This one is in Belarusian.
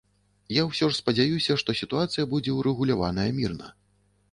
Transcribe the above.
Я ўсё ж спадзяюся, што сітуацыя будзе ўрэгуляваная мірна.